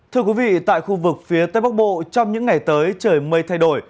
thưa quý vị tại khu vực phía tây bắc bộ trong những ngày tới trời mây thay đổi